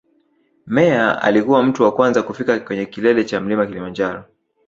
Meyer alikuwa mtu wa kwanza kufika kwenye kilele cha mlima kilimanjaro